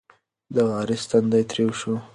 د وارث تندی تریو شو.